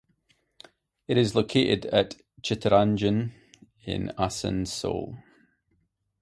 It is located at Chittaranjan in Asansol.